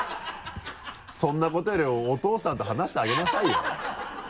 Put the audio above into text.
そんなことよりもお父さんと話してあげなさいよ。